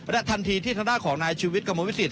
ทันทีที่ทางด้านของนายชีวิตกระมวลวิสิต